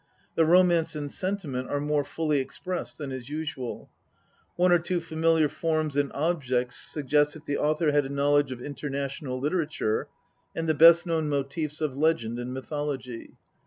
The romance and sentiment are more fully expressed than is usual. One or two familiar forms and objects suggest that the author had a knowledge of international literature, and the best known motives of legend and mythology.